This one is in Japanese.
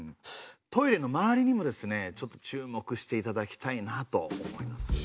トイレのまわりにもですねちょっと注目して頂きたいなと思います。